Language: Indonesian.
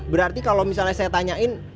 berarti kalau misalnya saya tanyain